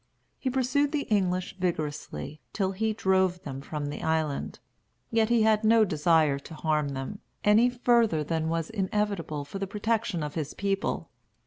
He pursued the English vigorously, till he drove them from the island. Yet he had no desire to harm them, any further than was inevitable for the protection of his people.